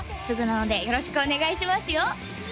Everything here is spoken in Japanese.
すぐなのでよろしくお願いしますよ